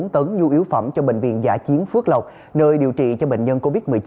bốn tấn nhu yếu phẩm cho bệnh viện giả chiến phước lộc nơi điều trị cho bệnh nhân covid một mươi chín